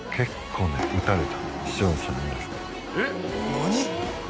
何⁉